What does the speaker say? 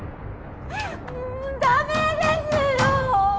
もうダメですよ。